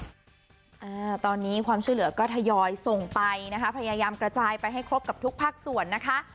อ่าตอนนี้ความช่วยเหลือก็ทยอยส่งไปนะคะพยายามกระจายไปให้ครบกับทุกภาคส่วนนะคะ